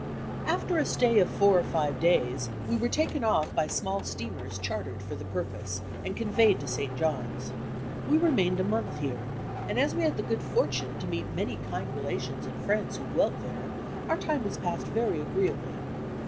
After a stay of four or five days we were taken off by small steamers chartered for the purpose and conveyed to St. John's. We remained a month here, and as we had the good fortune to meet many kind rela tions and friends who dwelt there, our time was passed very agreeably.